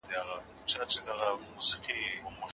کله به د زړو خلګو لپاره د پالنې ځانګړي مرکزونه جوړ سي؟